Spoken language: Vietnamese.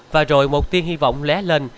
và rồi một tiếng hy vọng lé lên